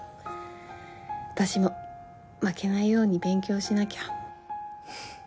私も負けないように勉強しなきゃ。